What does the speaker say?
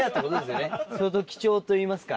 相当貴重といいますか。